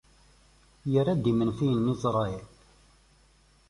Irra-d imenfiyen n Isṛayil.